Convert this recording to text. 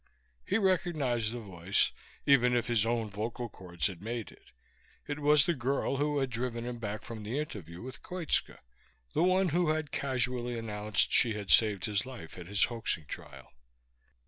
He recognized the voice, even if his own vocal chords had made it. It was the girl who had driven him back from the interview with Koitska, the one who had casually announced she had saved his life at his hoaxing trial.